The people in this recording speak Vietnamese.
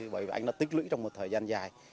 bởi vì anh đã tích lũy trong một thời gian dài